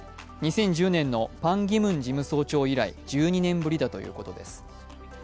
２０１０年のパン・ギムン事務総長以来１２年ぶりだということです。